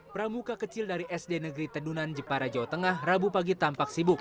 pramuka kecil dari sd negeri tedunan jepara jawa tengah rabu pagi tampak sibuk